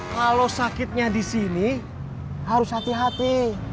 kalau sakitnya di sini harus hati hati